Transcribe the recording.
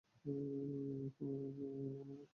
আমি কোনও বোকা নই!